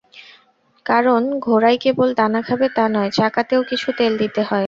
কারণ, ঘোড়াই কেবল দানা খাবে তা নয়, চাকাতেও কিছু তেল দিতে হয়।